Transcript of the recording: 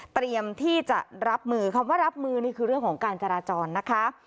เตรียมที่จะรับมือคำว่ารับมือนี่คือเรื่องของการจราจรนะคะ